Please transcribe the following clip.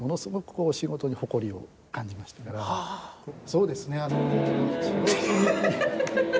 そうですね。